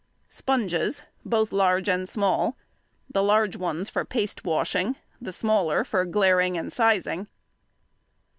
Sponges, both large and small—the large ones for paste washing, the smaller for glairing and sizing.